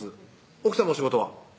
奥さまお仕事は？